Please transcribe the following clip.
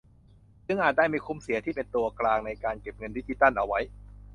จึงอาจได้ไม่คุ้มเสีย ที่เป็นตัวกลางในการเก็บเงินดิจิทัลเอาไว้